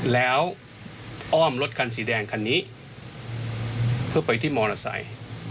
แล้วอ้อมรถคันสีแดงคันนี้เพื่อไปที่มอเตอร์ไซค์